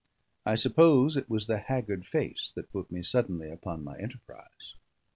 I suppose it was the haggard face that put me suddenly upon my enterprise.